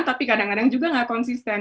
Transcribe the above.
tapi kadang kadang juga nggak konsisten